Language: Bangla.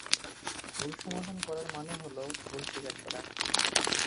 ভুল সমাধান করার মানে হলো, ভুল স্বীকার করা।